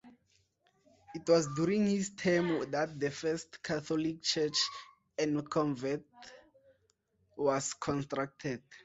It was during his term that the first Catholic Church and convent was constructed.